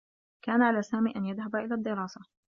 كان على سامي أن يذهب إلى الدّراسة.